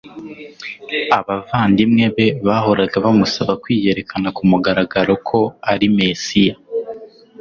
Abavandimwe be bahoraga bamusaba kwiyerekana kumugaragaro ko ari Mesiya;